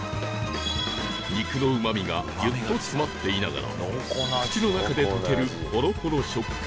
肉のうまみがギュッと詰まっていながら口の中で溶けるホロホロ食感